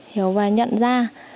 hiểu và nhận ra